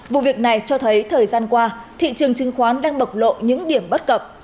vụ việc này cho thấy thời gian qua thị trường chứng khoán đang bộc lộ những điểm bất cập